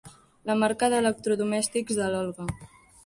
La marca d'electrodomèstics de l'Olga.